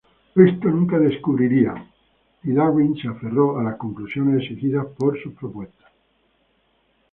Esto nunca descubriría y Darwin se aferró a las conclusiones exigidas por sus propuestas.